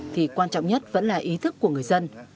thì quan trọng nhất vẫn là ý thức của người dân